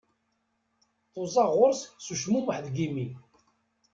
Tuẓa ɣer ɣur-s s ucmumeḥ deg imi.